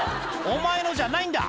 「お前のじゃないんだ